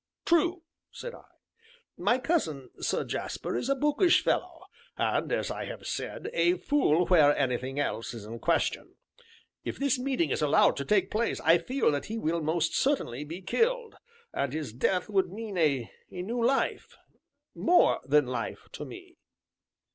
"True," said I. "My cousin, Sir Jasper, is a bookish fellow, and, as I have said, a fool where anything else is in question; if this meeting is allowed to take place, I feel that he will most certainly be killed, and his death would mean a new life more than life to me."